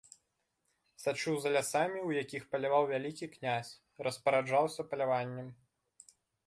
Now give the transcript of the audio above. Сачыў за лясамі, у якіх паляваў вялікі князь, распараджаўся паляваннем.